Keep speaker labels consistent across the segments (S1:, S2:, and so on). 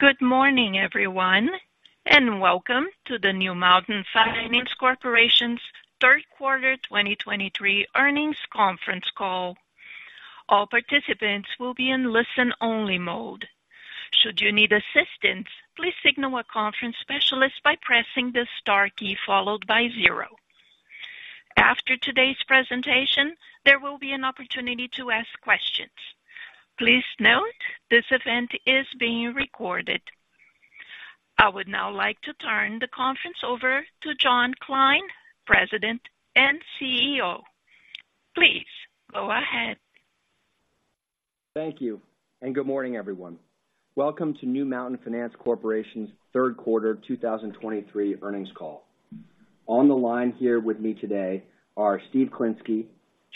S1: Good morning, everyone, and welcome to the New Mountain Finance Corporation's third quarter 2023 earnings conference call. All participants will be in listen-only mode. Should you need assistance, please signal a conference specialist by pressing the star key followed by zero. After today's presentation, there will be an opportunity to ask questions. Please note this event is being recorded. I would now like to turn the conference over to John Kline, President and CEO. Please go ahead.
S2: Thank you, and good morning, everyone. Welcome to New Mountain Finance Corporation's third quarter 2023 earnings call. On the line here with me today are Steve Klinsky,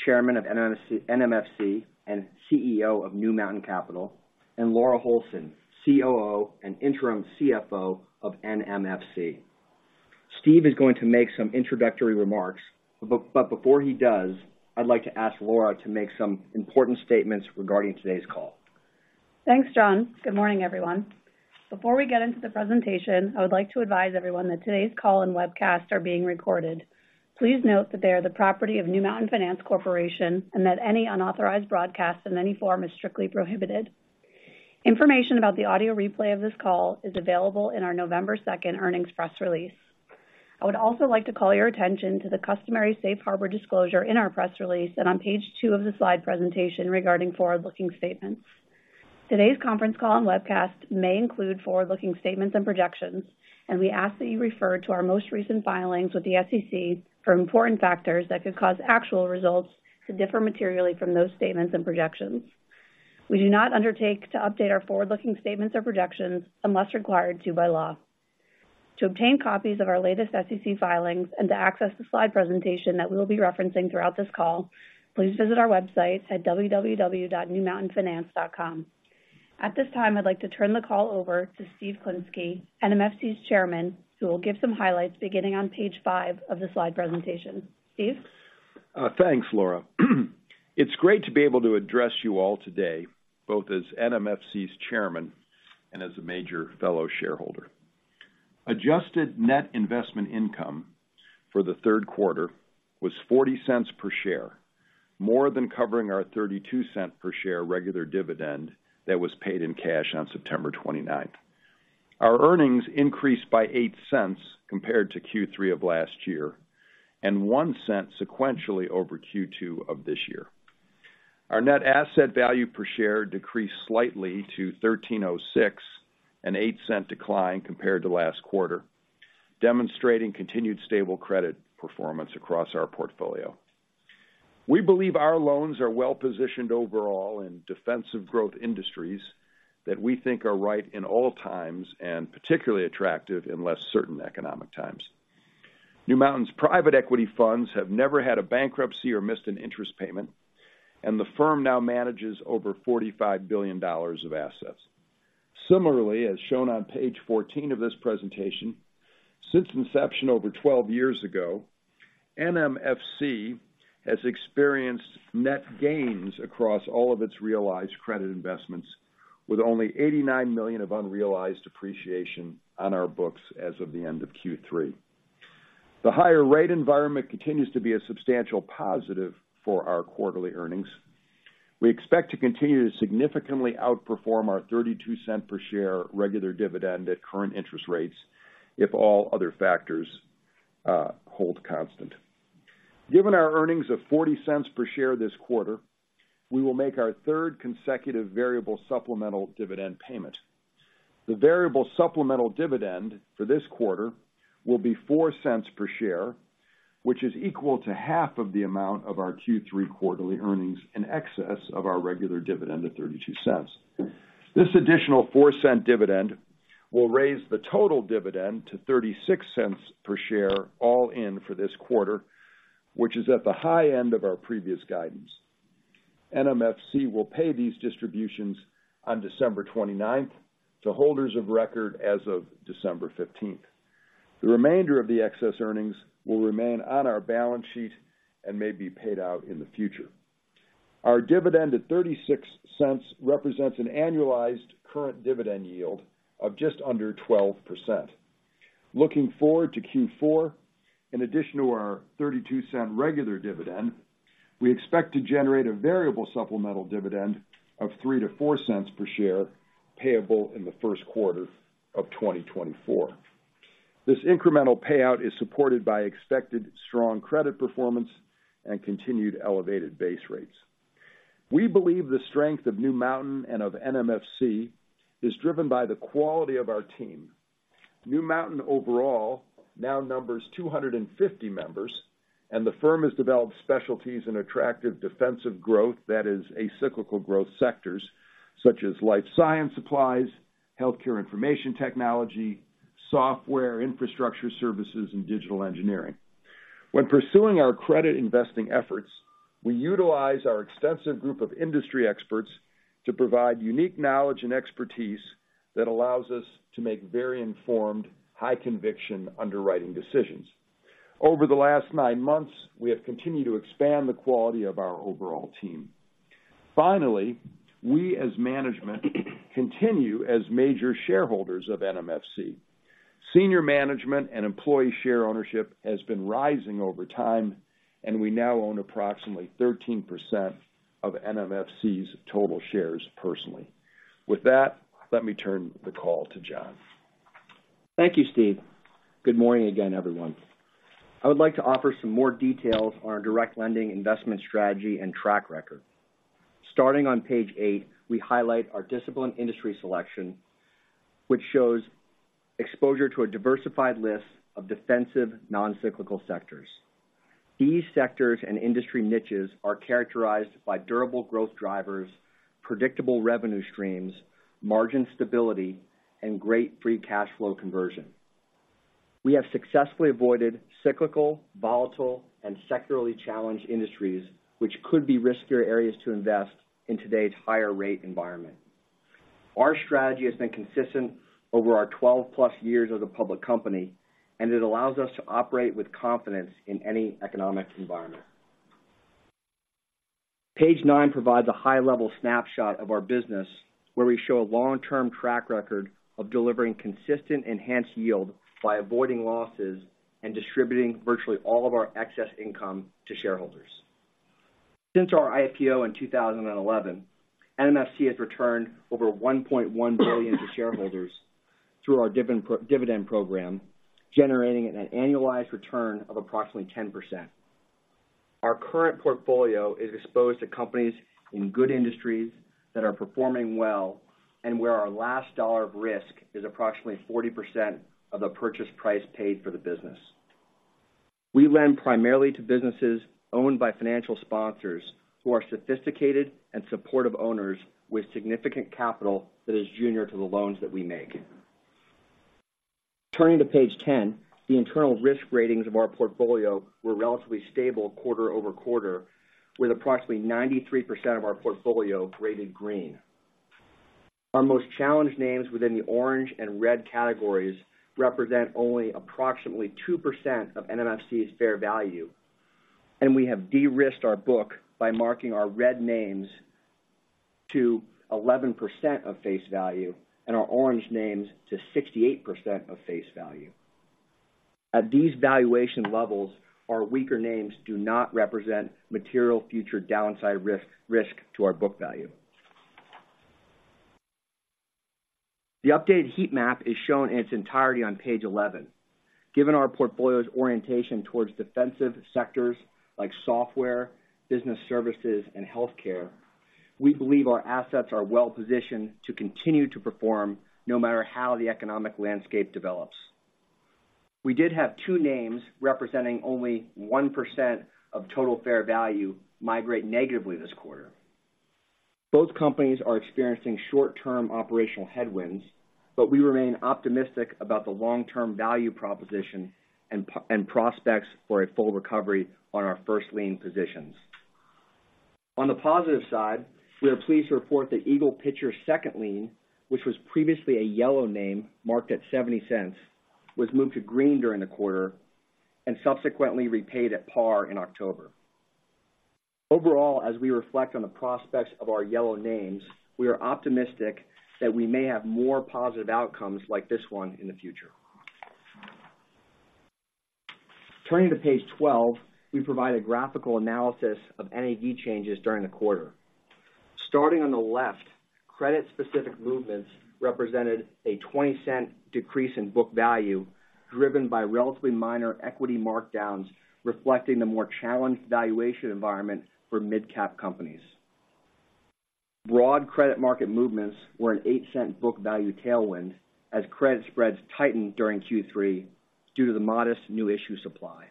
S2: Chairman of NMFC and CEO of New Mountain Capital; and Laura Holson, COO and Interim CFO of NMFC. Steve is going to make some introductory remarks, but before he does, I'd like to ask Laura to make some important statements regarding today's call.
S3: Thanks, John. Good morning, everyone. Before we get into the presentation, I would like to advise everyone that today's call and webcast are being recorded. Please note that they are the property of New Mountain Finance Corporation, and that any unauthorized broadcast in any form is strictly prohibited. Information about the audio replay of this call is available in our November second earnings press release. I would also like to call your attention to the customary safe harbor disclosure in our press release and on page two of the slide presentation regarding forward-looking statements. Today's conference call and webcast may include forward-looking statements and projections, and we ask that you refer to our most recent filings with the SEC for important factors that could cause actual results to differ materially from those statements and projections. We do not undertake to update our forward-looking statements or projections unless required to by law. To obtain copies of our latest SEC filings and to access the slide presentation that we'll be referencing throughout this call, please visit our website at www.newmountainfinance.com. At this time, I'd like to turn the call over to Steve Klinsky, NMFC's chairman, who will give some highlights beginning on page five of the slide presentation. Steve?
S4: Thanks, Laura. It's great to be able to address you all today, both as NMFC's chairman and as a major fellow shareholder. Adjusted Net Investment Income for the third quarter was $0.40 per share, more than covering our $32-cent per share regular dividend that was paid in cash on September 29. Our earnings increased by $0.08 compared to Q3 of last year and $0.01 sequentially over Q2 of this year. Our net asset value per share decreased slightly to $13.06, an $0.08 decline compared to last quarter, demonstrating continued stable credit performance across our portfolio. We believe our loans are well-positioned overall in defensive growth industries that we think are right in all times and particularly attractive in less certain economic times. New Mountain's private equity funds have never had a bankruptcy or missed an interest payment, and the firm now manages over $45 billion of assets. Similarly, as shown on page 14 of this presentation, since inception over 12 years ago, NMFC has experienced net gains across all of its realized credit investments, with only $89 million of unrealized appreciation on our books as of the end of Q3. The higher rate environment continues to be a substantial positive for our quarterly earnings. We expect to continue to significantly outperform our $0.32 per share regular dividend at current interest rates if all other factors, hold constant. Given our earnings of $0.40 per share this quarter, we will make our third consecutive variable supplemental dividend payment. The variable supplemental dividend for this quarter will be $0.04 per share, which is equal to half of the amount of our Q3 quarterly earnings in excess of our regular dividend of $0.32. This additional $0.04 dividend will raise the total dividend to $0.36 per share, all in for this quarter, which is at the high end of our previous guidance. NMFC will pay these distributions on December 29th to holders of record as of December 15th. The remainder of the excess earnings will remain on our balance sheet and may be paid out in the future. Our dividend at $0.36 represents an annualized current dividend yield of just under 12%. Looking forward to Q4, in addition to our $0.32 regular dividend, we expect to generate a variable supplemental dividend of $0.03-$0.04 per share, payable in the first quarter of 2024. This incremental payout is supported by expected strong credit performance and continued elevated base rates. We believe the strength of New Mountain and of NMFC is driven by the quality of our team. New Mountain overall now numbers 250 members, and the firm has developed specialties in attractive defensive growth, that is, acyclical growth sectors such as life science supplies, healthcare information technology, software infrastructure services, and digital engineering. When pursuing our credit investing efforts, we utilize our extensive group of industry experts to provide unique knowledge and expertise that allows us to make very informed, high conviction underwriting decisions. Over the last nine months, we have continued to expand the quality of our overall team. Finally, we, as management, continue as major shareholders of NMFC. Senior management and employee share ownership has been rising over time, and we now own approximately 13% of NMFC's total shares personally. With that, let me turn the call to John.
S2: Thank you, Steve. Good morning again, everyone. I would like to offer some more details on our direct lending investment strategy and track record. Starting on page eight, we highlight our disciplined industry selection, which shows exposure to a diversified list of defensive, non-cyclical sectors. These sectors and industry niches are characterized by durable growth drivers, predictable revenue streams, margin stability, and great free cash flow conversion. We have successfully avoided cyclical, volatile, and secularly challenged industries, which could be riskier areas to invest in today's higher rate environment. Our strategy has been consistent over our 12+ years as a public company, and it allows us to operate with confidence in any economic environment. Page nine provides a high-level snapshot of our business, where we show a long-term track record of delivering consistent enhanced yield by avoiding losses and distributing virtually all of our excess income to shareholders. Since our IPO in 2011, NMFC has returned over $1.1 billion to shareholders through our dividend program, generating an annualized return of approximately 10%. Our current portfolio is exposed to companies in good industries that are performing well and where our last dollar of risk is approximately 40% of the purchase price paid for the business. We lend primarily to businesses owned by financial sponsors who are sophisticated and supportive owners with significant capital that is junior to the loans that we make. Turning to page 10, the internal risk ratings of our portfolio were relatively stable quarter-over-quarter, with approximately 93% of our portfolio rated green. Our most challenged names within the orange and red categories represent only approximately 2% of NMFC's fair value, and we have de-risked our book by marking our red names to 11% of face value and our orange names to 68% of face value. At these valuation levels, our weaker names do not represent material future downside risk, risk to our book value. The updated heat map is shown in its entirety on page 11. Given our portfolio's orientation towards defensive sectors like software, business services, and healthcare, we believe our assets are well positioned to continue to perform no matter how the economic landscape develops. We did have two names, representing only 1% of total fair value, migrate negatively this quarter. Both companies are experiencing short-term operational headwinds, but we remain optimistic about the long-term value proposition and prospects for a full recovery on our first lien positions. On the positive side, we are pleased to report that EaglePicher second lien, which was previously a yellow name marked at $0.70, was moved to green during the quarter and subsequently repaid at par in October. Overall, as we reflect on the prospects of our yellow names, we are optimistic that we may have more positive outcomes like this one in the future. Turning to page 12, we provide a graphical analysis of NAV changes during the quarter. Starting on the left, credit-specific movements represented a $0.20 decrease in book value, driven by relatively minor equity markdowns, reflecting the more challenged valuation environment for mid-cap companies. Broad credit market movements were an $0.08 book value tailwind, as credit spreads tightened during Q3 due to the modest new issue supply.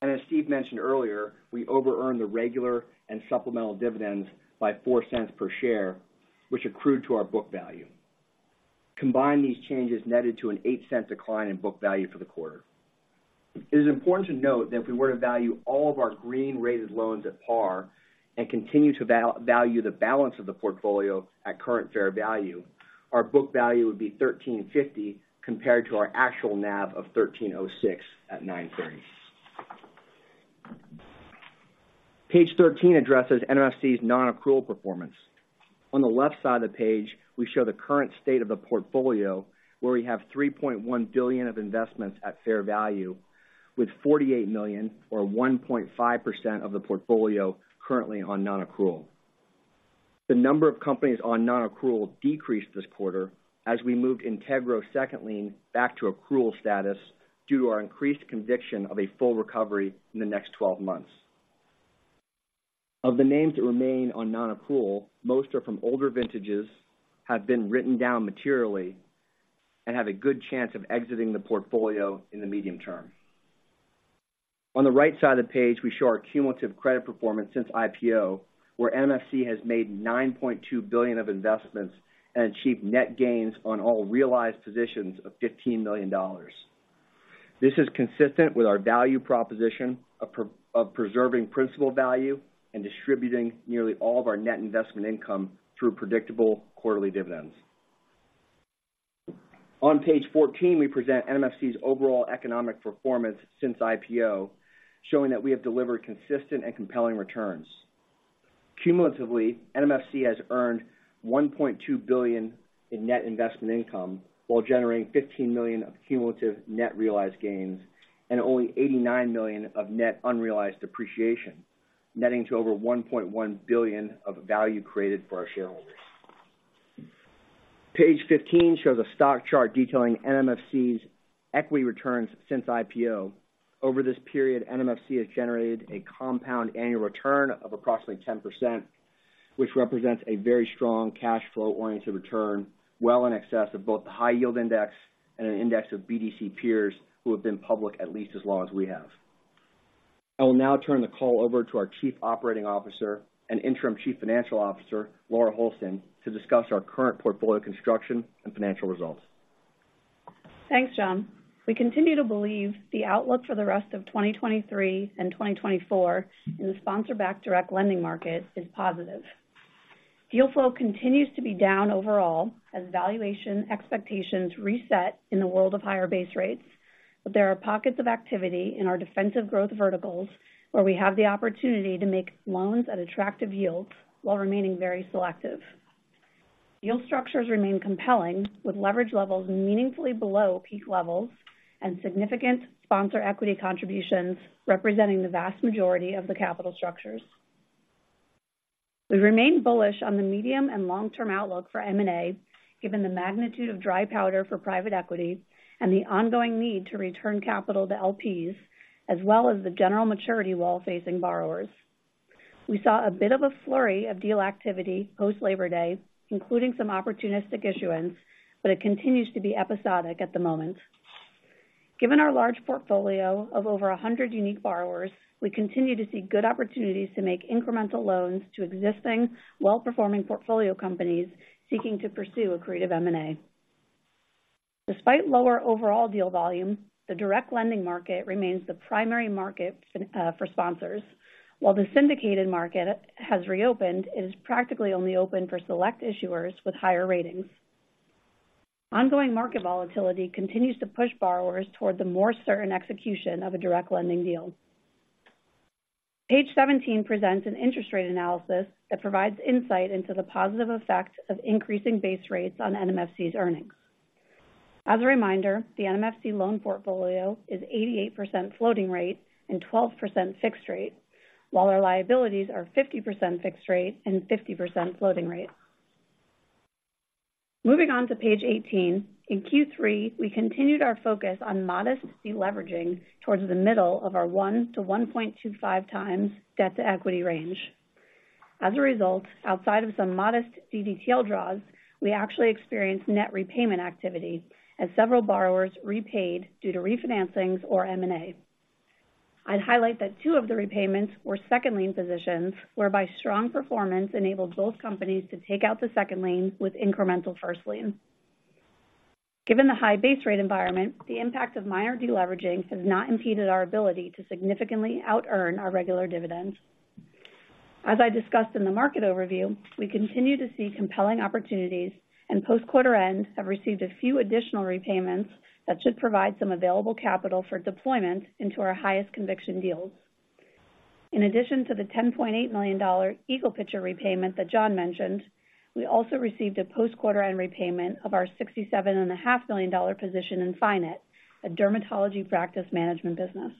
S2: As Steve mentioned earlier, we overearned the regular and supplemental dividends by $0.04 per share, which accrued to our book value. Combined, these changes netted to an $0.08 decline in book value for the quarter. It is important to note that if we were to value all of our green-rated loans at par and continue to value the balance of the portfolio at current fair value, our book value would be $13.50, compared to our actual NAV of $13.06 at 9/30. Page 13 addresses NMFC's non-accrual performance. On the left side of the page, we show the current state of the portfolio, where we have $3.1 billion of investments at fair value, with $48 million or 1.5% of the portfolio currently on non-accrual. The number of companies on non-accrual decreased this quarter as we moved Integro second lien back to accrual status due to our increased conviction of a full recovery in the next 12 months. Of the names that remain on non-accrual, most are from older vintages, have been written down materially, and have a good chance of exiting the portfolio in the medium term. On the right side of the page, we show our cumulative credit performance since IPO, where NMFC has made $9.2 billion of investments and achieved net gains on all realized positions of $15 million. This is consistent with our value proposition of preserving principal value and distributing nearly all of our net investment income through predictable quarterly dividends. On page 14, we present NMFC's overall economic performance since IPO, showing that we have delivered consistent and compelling returns. Cumulatively, NMFC has earned $1.2 billion in net investment income, while generating $15 million of cumulative net realized gains and only $89 million of net unrealized depreciation, netting to over $1.1 billion of value created for our shareholders. Page 15 shows a stock chart detailing NMFC's equity returns since IPO. Over this period, NMFC has generated a compound annual return of approximately 10%, which represents a very strong cash flow oriented return, well in excess of both the high yield index and an index of BDC peers who have been public at least as long as we have. I will now turn the call over to our Chief Operating Officer and Interim Chief Financial Officer, Laura Holson, to discuss our current portfolio construction and financial results.
S3: Thanks, John. We continue to believe the outlook for the rest of 2023 and 2024 in the sponsor-backed direct lending market is positive. Deal flow continues to be down overall as valuation expectations reset in the world of higher base rates, but there are pockets of activity in our defensive growth verticals, where we have the opportunity to make loans at attractive yields while remaining very selective. Yield structures remain compelling, with leverage levels meaningfully below peak levels and significant sponsor equity contributions representing the vast majority of the capital structures. We remain bullish on the medium and long-term outlook for M&A, given the magnitude of dry powder for private equity and the ongoing need to return capital to LPs, as well as the general maturity wall-facing borrowers. We saw a bit of a flurry of deal activity post Labor Day, including some opportunistic issuance, but it continues to be episodic at the moment. Given our large portfolio of over 100 unique borrowers, we continue to see good opportunities to make incremental loans to existing well-performing portfolio companies seeking to pursue accretive M&A. Despite lower overall deal volume, the direct lending market remains the primary market for, for sponsors. While the syndicated market has reopened, it is practically only open for select issuers with higher ratings. Ongoing market volatility continues to push borrowers toward the more certain execution of a direct lending deal. Page 17 presents an interest rate analysis that provides insight into the positive effects of increasing base rates on NMFC's earnings. As a reminder, the NMFC loan portfolio is 88% floating rate and 12% fixed rate, while our liabilities are 50% fixed rate and 50% floating rate. Moving on to page 18. In Q3, we continued our focus on modest deleveraging towards the middle of our 1-1.25x debt-to-equity range. As a result, outside of some modest DDTL draws, we actually experienced net repayment activity as several borrowers repaid due to refinancings or M&A. I'd highlight that two of the repayments were second lien positions, whereby strong performance enabled both companies to take out the second lien with incremental first lien. Given the high base rate environment, the impact of minor deleveraging has not impeded our ability to significantly outearn our regular dividends. As I discussed in the market overview, we continue to see compelling opportunities and post-quarter end have received a few additional repayments that should provide some available capital for deployment into our highest conviction deals. In addition to the $10.8 million EaglePicher repayment that John mentioned, we also received a post-quarter end repayment of our $67.5 million position in PhyNet, a dermatology practice management business.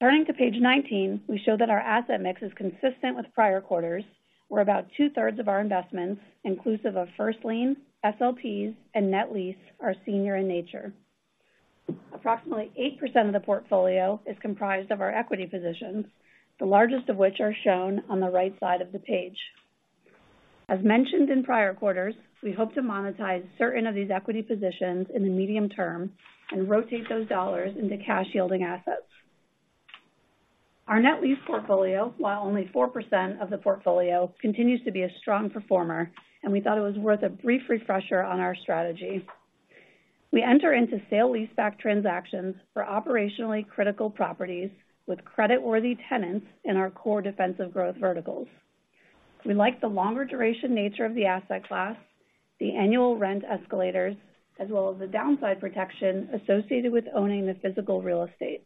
S3: Turning to page 19, we show that our asset mix is consistent with prior quarters, where about two-thirds of our investments, inclusive of first lien, SLPs, and net lease, are senior in nature. Approximately 8% of the portfolio is comprised of our equity positions, the largest of which are shown on the right side of the page. As mentioned in prior quarters, we hope to monetize certain of these equity positions in the medium term and rotate those dollars into cash-yielding assets. Our net lease portfolio, while only 4% of the portfolio, continues to be a strong performer, and we thought it was worth a brief refresher on our strategy. We enter into sale-leaseback transactions for operationally critical properties with credit-worthy tenants in our core defensive growth verticals. We like the longer duration nature of the asset class, the annual rent escalators, as well as the downside protection associated with owning the physical real estate.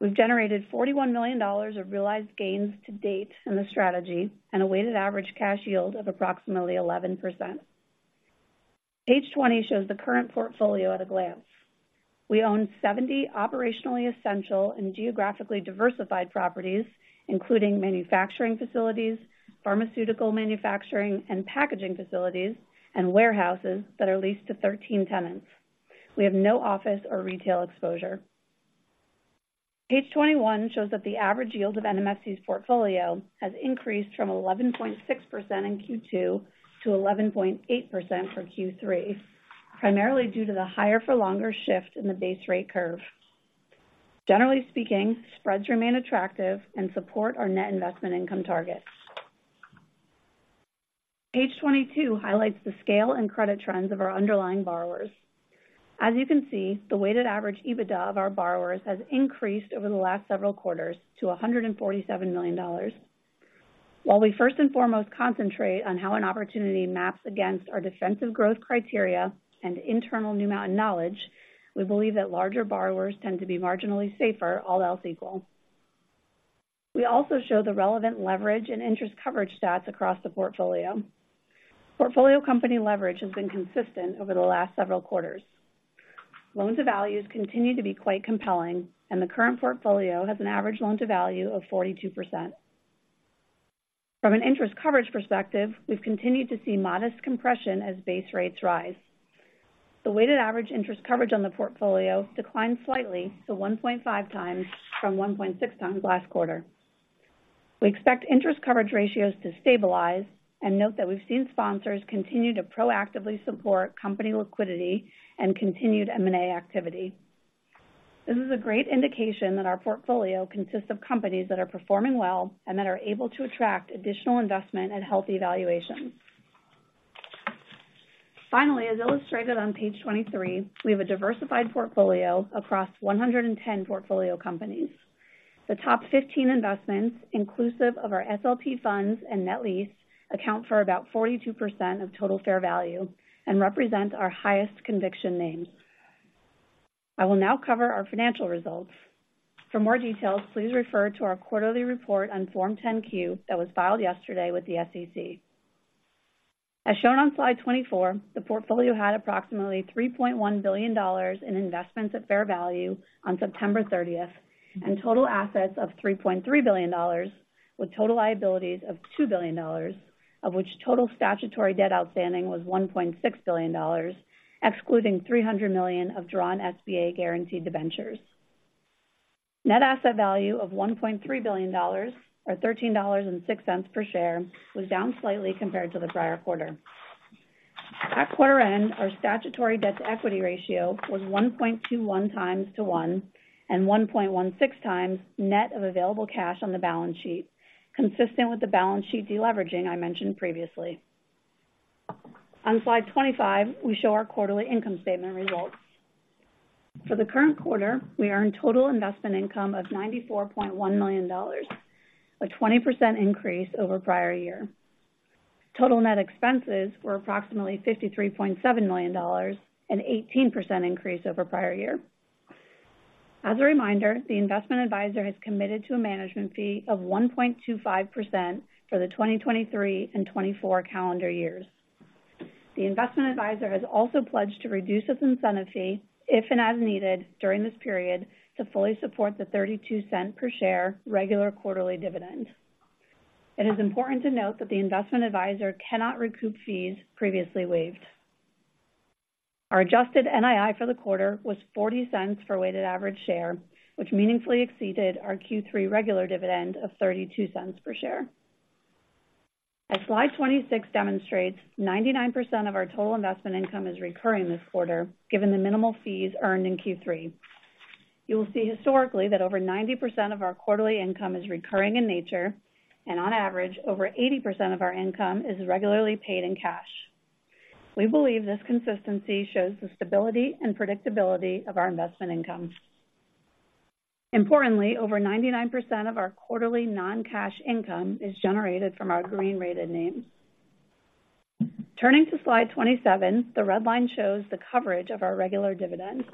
S3: We've generated $41 million of realized gains to date in the strategy and a weighted average cash yield of approximately 11%. Page 20 shows the current portfolio at a glance. We own 70 operationally essential and geographically diversified properties, including manufacturing facilities, pharmaceutical manufacturing and packaging facilities, and warehouses that are leased to 13 tenants. We have no office or retail exposure. Page 21 shows that the average yield of NMFC's portfolio has increased from 11.6% in Q2 to 11.8% for Q3, primarily due to the higher-for-longer shift in the base rate curve. Generally speaking, spreads remain attractive and support our net investment income targets. Page 22 highlights the scale and credit trends of our underlying borrowers. As you can see, the weighted average EBITDA of our borrowers has increased over the last several quarters to $147 million. While we first and foremost concentrate on how an opportunity maps against our defensive growth criteria and internal New Mountain knowledge, we believe that larger borrowers tend to be marginally safer, all else equal. We also show the relevant leverage and interest coverage stats across the portfolio. Portfolio company leverage has been consistent over the last several quarters. Loan-to-values continue to be quite compelling, and the current portfolio has an average loan-to-value of 42%. From an interest coverage perspective, we've continued to see modest compression as base rates rise. The weighted average interest coverage on the portfolio declined slightly to 1.5x from 1.6x last quarter. We expect interest coverage ratios to stabilize and note that we've seen sponsors continue to proactively support company liquidity and continued M&A activity. This is a great indication that our portfolio consists of companies that are performing well and that are able to attract additional investment at healthy valuations. Finally, as illustrated on page 23, we have a diversified portfolio across 110 portfolio companies. The top 15 investments, inclusive of our SLP funds and net Lease, account for about 42% of total fair value and represent our highest conviction names. I will now cover our financial results. For more details, please refer to our quarterly report on Form 10-Q that was filed yesterday with the SEC. As shown on slide 24, the portfolio had approximately $3.1 billion in investments at fair value on September 30th, and total assets of $3.3 billion, with total liabilities of $2 billion, of which total statutory debt outstanding was $1.6 billion, excluding $300 million of drawn SBA guaranteed debentures. Net asset value of $1.3 billion, or $13.06 per share, was down slightly compared to the prior quarter. At quarter end, our statutory debt-to-equity ratio was 1.21x-1 and 1.16x net of available cash on the balance sheet, consistent with the balance sheet deleveraging I mentioned previously. On slide 25, we show our quarterly income statement results. For the current quarter, we earned total investment income of $94.1 million, a 20% increase over prior year. Total net expenses were approximately $53.7 million, an 18% increase over prior year. As a reminder, the investment advisor has committed to a management fee of 1.25% for the 2023 and 2024 calendar years. The investment advisor has also pledged to reduce its incentive fee if and as needed during this period to fully support the $0.32 per share regular quarterly dividend. It is important to note that the investment advisor cannot recoup fees previously waived. Our adjusted NII for the quarter was $0.40 for weighted average share, which meaningfully exceeded our Q3 regular dividend of $0.32 per share. As slide 26 demonstrates, 99% of our total investment income is recurring this quarter, given the minimal fees earned in Q3. You will see historically that over 90% of our quarterly income is recurring in nature, and on average, over 80% of our income is regularly paid in cash. We believe this consistency shows the stability and predictability of our investment income. Importantly, over 99% of our quarterly non-cash income is generated from our green-rated names. Turning to slide 27, the red line shows the coverage of our regular dividends.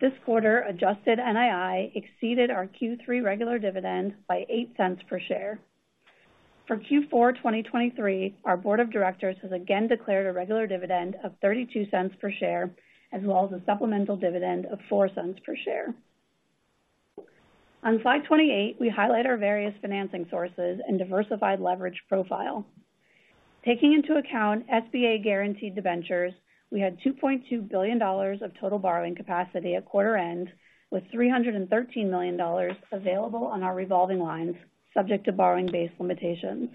S3: This quarter, adjusted NII exceeded our Q3 regular dividend by $0.08 per share. For Q4 2023, our board of directors has again declared a regular dividend of $0.32 per share, as well as a supplemental dividend of $0.04 per share. On slide 28, we highlight our various financing sources and diversified leverage profile. Taking into account SBA guaranteed debentures, we had $2.2 billion of total borrowing capacity at quarter end, with $313 million available on our revolving lines, subject to borrowing base limitations.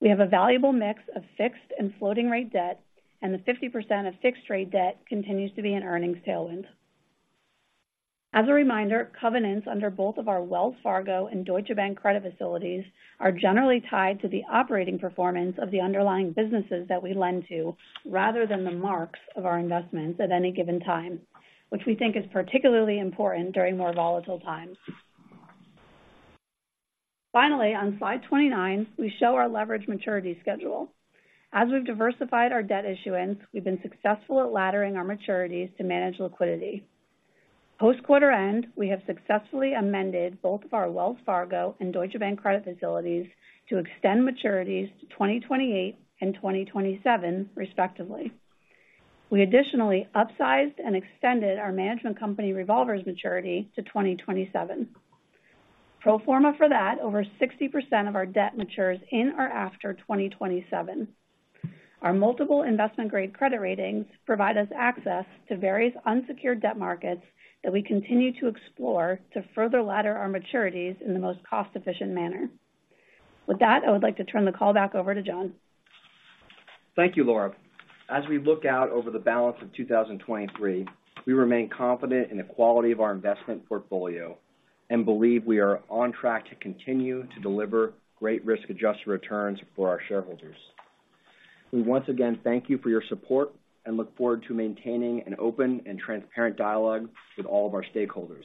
S3: We have a valuable mix of fixed and floating rate debt, and the 50% of fixed rate debt continues to be an earnings tailwind. As a reminder, covenants under both of our Wells Fargo and Deutsche Bank credit facilities are generally tied to the operating performance of the underlying businesses that we lend to, rather than the marks of our investments at any given time, which we think is particularly important during more volatile times. Finally, on slide 29, we show our leverage maturity schedule. As we've diversified our debt issuance, we've been successful at laddering our maturities to manage liquidity. Post quarter end, we have successfully amended both of our Wells Fargo and Deutsche Bank credit facilities to extend maturities to 2028 and 2027, respectively. We additionally upsized and extended our management company revolver's maturity to 2027. Pro forma for that, over 60% of our debt matures in or after 2027. Our multiple investment grade credit ratings provide us access to various unsecured debt markets that we continue to explore to further ladder our maturities in the most cost-efficient manner. With that, I would like to turn the call back over to John.
S2: Thank you, Laura. As we look out over the balance of 2023, we remain confident in the quality of our investment portfolio and believe we are on track to continue to deliver great risk-adjusted returns for our shareholders. We once again thank you for your support and look forward to maintaining an open and transparent dialogue with all of our stakeholders.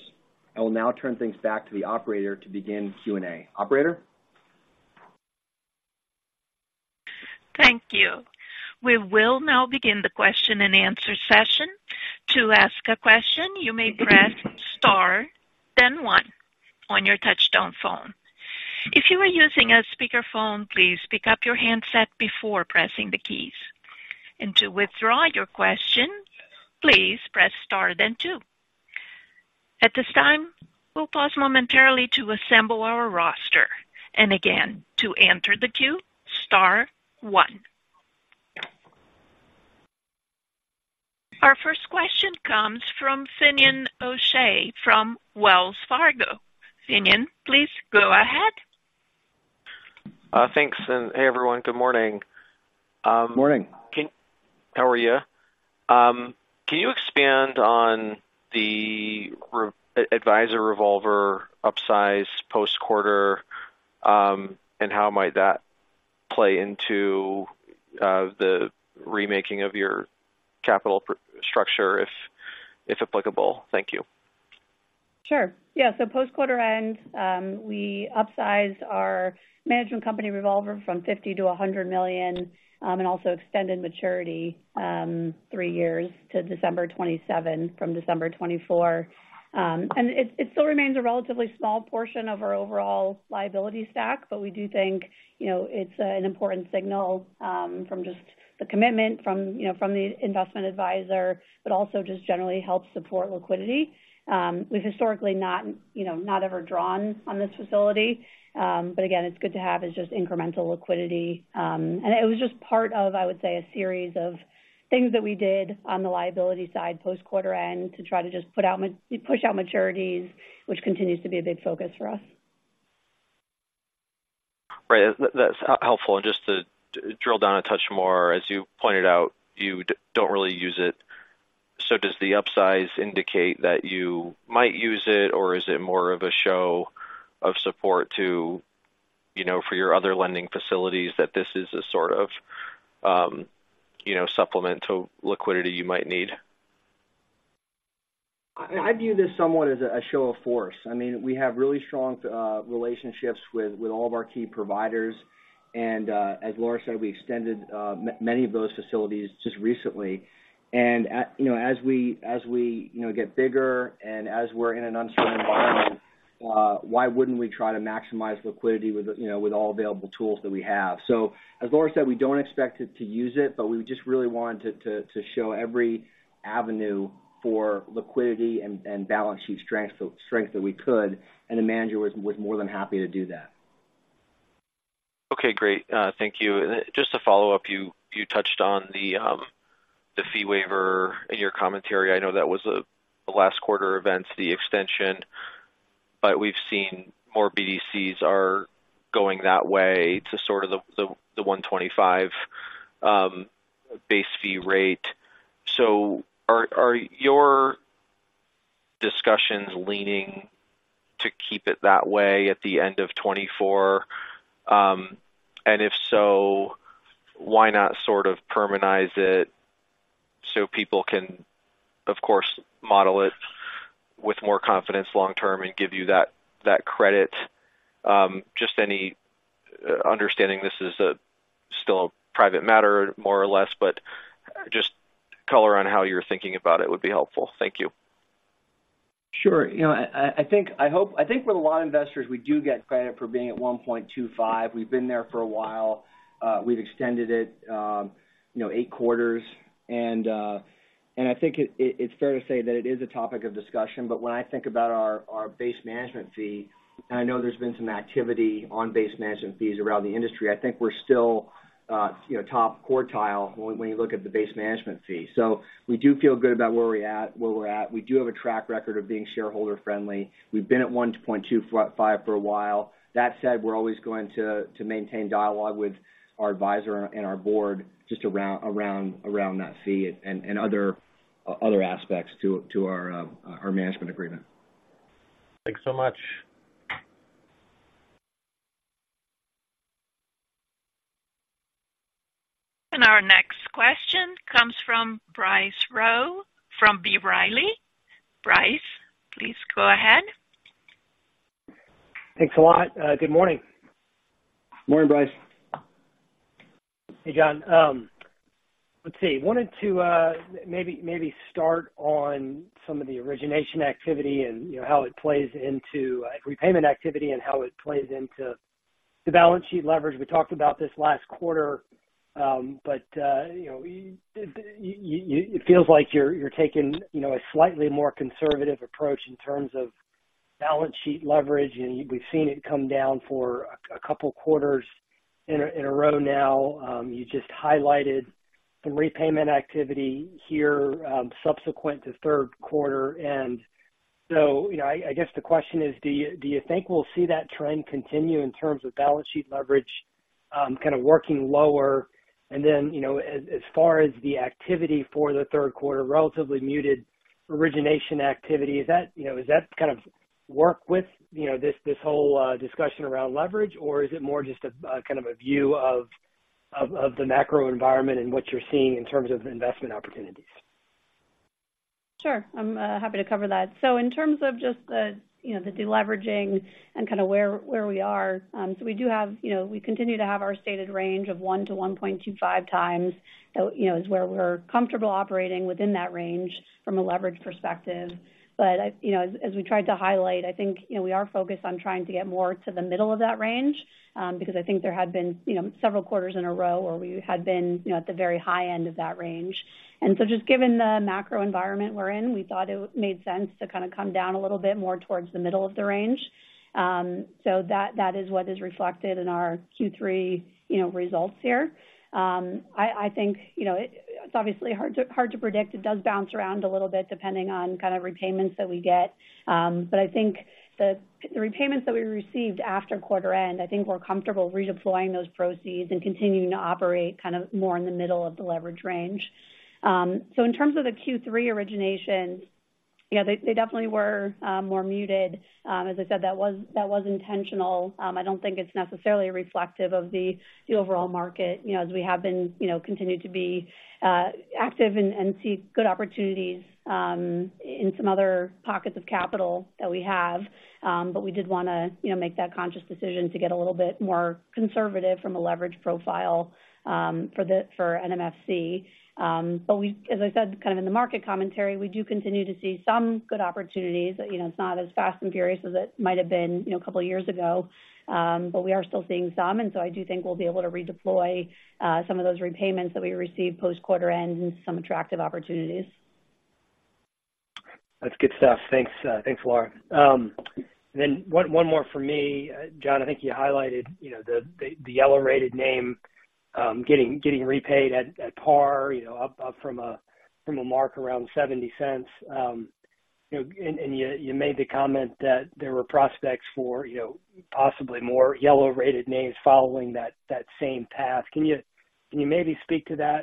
S2: I will now turn things back to the operator to begin Q&A. Operator?
S1: Thank you. We will now begin the question-and-answer session. To ask a question, you may press star, then one on your touchtone phone. If you are using a speakerphone, please pick up your handset before pressing the keys. To withdraw your question, please press star, then two. At this time, we'll pause momentarily to assemble our roster. And again, to enter the queue, star one. Our first question comes from Finian O'Shea from Wells Fargo. Finian, please go ahead.
S5: Thanks, and hey, everyone. Good morning.
S2: Good morning.
S5: How are you? Can you expand on the advisor revolver upsize post-quarter, and how might that play into the remaking of your capital structure, if applicable? Thank you.
S3: Sure. Yeah. So post-quarter end, we upsized our management company revolver from $50 million-$100 million, and also extended maturity three years to December 2027 from December 2024. And it still remains a relatively small portion of our overall liability stack, but we do think, you know, it's an important signal from just the commitment from, you know, from the investment advisor, but also just generally helps support liquidity. We've historically not, you know, not ever drawn on this facility. But again, it's good to have as just incremental liquidity. And it was just part of, I would say, a series of things that we did on the liability side, post-quarter end, to try to just push out maturities, which continues to be a big focus for us.
S5: Right. That's helpful. And just to drill down a touch more, as you pointed out, you don't really use it. So does the upsize indicate that you might use it, or is it more of a show of support to, you know, for your other lending facilities, that this is a sort of, you know, supplement to liquidity you might need?
S2: I view this somewhat as a show of force. I mean, we have really strong relationships with all of our key providers. And as Laura said, we extended many of those facilities just recently. And you know, as we get bigger and as we're in an uncertain environment, why wouldn't we try to maximize liquidity with you know, with all available tools that we have? So as Laura said, we don't expect it to use it, but we just really wanted to show every avenue for liquidity and balance sheet strength that we could, and the manager was more than happy to do that.
S5: Okay, great. Thank you. Just to follow up, you touched on the fee waiver in your commentary. I know that was the last quarter events, the extension, but we've seen more BDCs are going that way to sort of the 125 base fee rate. So are your discussions leaning to keep it that way at the end of 2024? And if so, why not sort of permanize it so people can, of course, model it with more confidence long term and give you that credit? Just any understanding, this is still a private matter, more or less, but just color on how you're thinking about it would be helpful. Thank you.
S2: Sure. You know, I think, I hope, I think with a lot of investors, we do get credit for being at 1.25. We've been there for a while. We've extended it, you know, eight quarters. I think it's fair to say that it is a topic of discussion, but when I think about our base management fee, and I know there's been some activity on base management fees around the industry, I think we're still, you know, top quartile when you look at the base management fee. So we do feel good about where we at, where we're at. We do have a track record of being shareholder friendly. We've been at 1.25 for a while. That said, we're always going to maintain dialogue with our advisor and our board just around that fee and other aspects to our management agreement.
S5: Thanks so much.
S1: Our next question comes from Bryce Rowe from B. Riley. Bryce, please go ahead.
S6: Thanks a lot. Good morning.
S2: Morning, Bryce.
S6: Hey, John. Let's see. Wanted to maybe start on some of the origination activity and, you know, how it plays into repayment activity and how it plays into the balance sheet leverage. We talked about this last quarter, but you know, it feels like you're taking, you know, a slightly more conservative approach in terms of balance sheet leverage, and we've seen it come down for a couple quarters in a row now. You just highlighted some repayment activity here, subsequent to third quarter. And so, you know, I guess the question is: do you think we'll see that trend continue in terms of balance sheet leverage kind of working lower. And then, you know, as, as far as the activity for the third quarter, relatively muted origination activity, is that, you know, does that kind of work with, you know, this, this whole, discussion around leverage? Or is it more just a, a kind of a view of, of, of the macro environment and what you're seeing in terms of investment opportunities?
S3: Sure. I'm happy to cover that. So in terms of just the, you know, the deleveraging and kind of where we are, so we do have, you know, we continue to have our stated range of 1x-1.25x. You know, is where we're comfortable operating within that range from a leverage perspective. But I, you know, as we tried to highlight, I think, you know, we are focused on trying to get more to the middle of that range, because I think there had been, you know, several quarters in a row where we had been, you know, at the very high end of that range. And so just given the macro environment we're in, we thought it made sense to kind of come down a little bit more towards the middle of the range. So that is what is reflected in our Q3, you know, results here. I think, you know, it's obviously hard to predict. It does bounce around a little bit, depending on kind of repayments that we get. But I think the repayments that we received after quarter end, I think we're comfortable redeploying those proceeds and continuing to operate kind of more in the middle of the leverage range. So in terms of the Q3 origination, yeah, they definitely were more muted. As I said, that was intentional. I don't think it's necessarily reflective of the overall market, you know, as we have been, you know, continued to be active and see good opportunities in some other pockets of capital that we have. But we did want to, you know, make that conscious decision to get a little bit more conservative from a leverage profile for NMFC. But we, as I said, kind of in the market commentary, we do continue to see some good opportunities. You know, it's not as fast and furious as it might have been, you know, a couple of years ago. But we are still seeing some, and so I do think we'll be able to redeploy some of those repayments that we received post quarter end and some attractive opportunities.
S6: That's good stuff. Thanks. Thanks, Laura. Then one more for me. John, I think you highlighted, you know, the yellow-rated name getting repaid at par, you know, up from a mark around $0.70. You know, and you made the comment that there were prospects for, you know, possibly more yellow-rated names following that same path. Can you maybe speak to that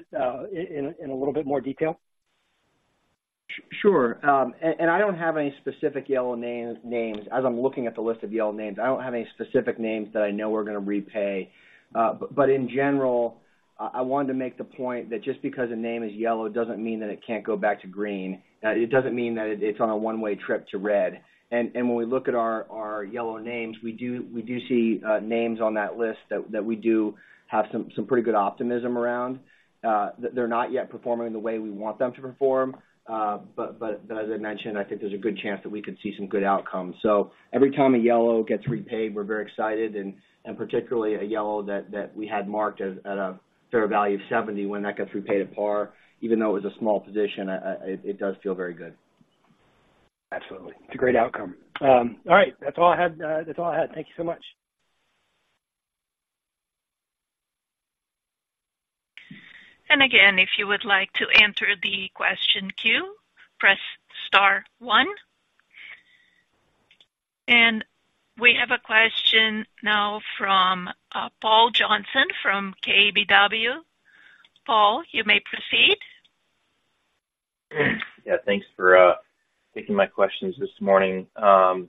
S6: in a little bit more detail?
S2: Sure. And I don't have any specific yellow names. As I'm looking at the list of yellow names, I don't have any specific names that I know we're going to repay. But in general, I wanted to make the point that just because a name is yellow, doesn't mean that it can't go back to green. It doesn't mean that it's on a one-way trip to red. And when we look at our yellow names, we do see names on that list that we do have some pretty good optimism around. They're not yet performing the way we want them to perform. But as I mentioned, I think there's a good chance that we could see some good outcomes. So every time a yellow gets repaid, we're very excited, and particularly a yellow that we had marked at a fair value of 70, when that gets repaid at par, even though it was a small position, it does feel very good.
S6: Absolutely. It's a great outcome. All right. That's all I had. That's all I had. Thank you so much.
S1: Again, if you would like to answer the question queue, press star one. We have a question now from Paul Johnson from KBW. Paul, you may proceed.
S7: Yeah, thanks for taking my questions this morning. I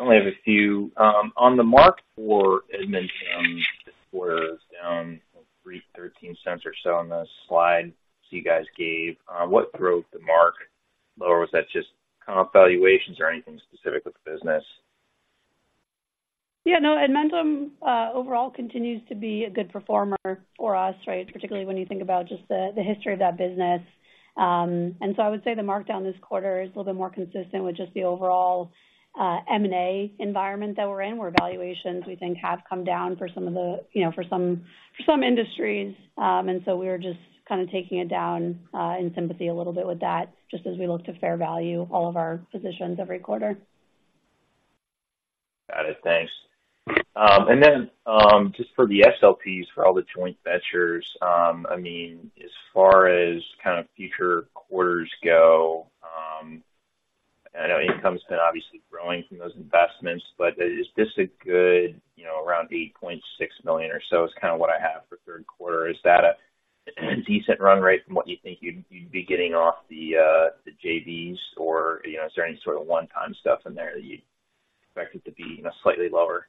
S7: only have a few. On the mark for Edmentum, this quarter is down $3.13 or so on the slide, so you guys gave. What drove the mark? Or was that just comp valuations or anything specific with the business?
S3: Yeah, no. Edmentum, overall continues to be a good performer for us, right? Particularly when you think about just the, the history of that business. And so I would say the markdown this quarter is a little bit more consistent with just the overall, M&A environment that we're in, where valuations, we think, have come down for some of the, you know, for some, for some industries. And so we're just kind of taking it down, in sympathy a little bit with that, just as we look to fair value all of our positions every quarter.
S7: Got it. Thanks. And then, just for the SLPs, for all the joint ventures, I mean, as far as kind of future quarters go, I know income's been obviously growing from those investments, but is this a good, you know, around $8.6 million or so, is kind of what I have for the third quarter. Is that a decent run rate from what you think you'd, you'd be getting off the, the JVs? Or, you know, is there any sort of one-time stuff in there that you'd expect it to be, you know, slightly lower?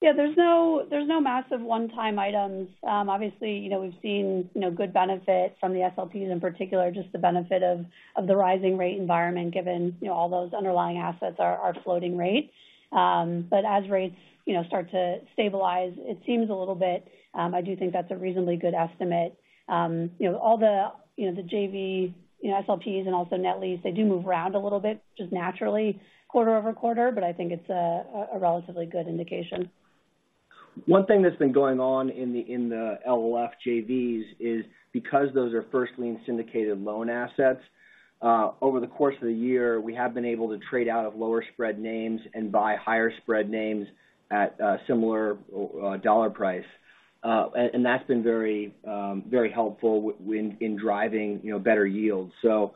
S3: Yeah, there's no, there's no massive one-time items. Obviously, you know, we've seen, you know, good benefit from the SLPs, in particular, just the benefit of the rising rate environment, given, you know, all those underlying assets are floating rates. But as rates, you know, start to stabilize, it seems a little bit, I do think that's a reasonably good estimate. You know, all the, you know, the JV, you know, SLPs and also net lease, they do move around a little bit, just naturally, quarter-over-quarter, but I think it's a relatively good indication.
S2: One thing that's been going on in the SLP JVs is because those are first lien syndicated loan assets, over the course of the year, we have been able to trade out of lower spread names and buy higher spread names at a similar dollar price. And that's been very, very helpful in driving, you know, better yields. So,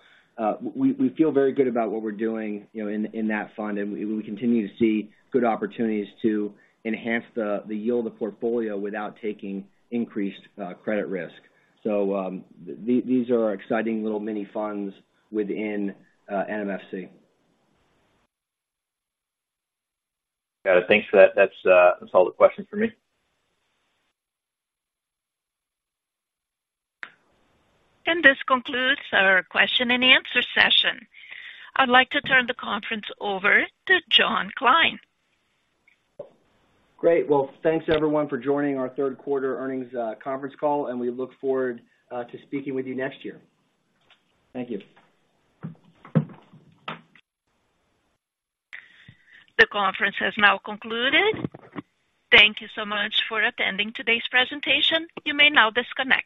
S2: we feel very good about what we're doing, you know, in that fund, and we continue to see good opportunities to enhance the yield of the portfolio without taking increased credit risk. So, these are exciting little mini funds within NMFC.
S7: Got it. Thanks for that. That's all the questions for me.
S1: This concludes our question and answer session. I'd like to turn the conference over to John Kline.
S2: Great. Well, thanks, everyone, for joining our third quarter earnings conference call, and we look forward to speaking with you next year. Thank you.
S1: The conference has now concluded. Thank you so much for attending today's presentation. You may now disconnect.